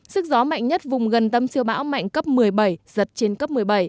sức gió mạnh nhất vùng gần tâm siêu bão mạnh cấp một mươi bảy giật trên cấp một mươi bảy